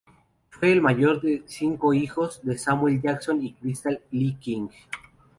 Fue el mayor de los cinco hijos de Samuel Jackson y Crystal Lee King.